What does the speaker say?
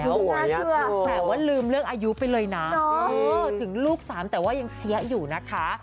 น่าเธอหวังว่าลืมเรื่องอายุไปเลยนะเออถึงลูกสามแต่ว่ายังเซียอยู่นะคะ